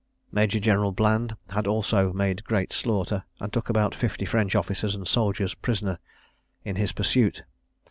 Major General Bland had also made great slaughter, and took about fifty French officers and soldiers prisoners in his pursuit.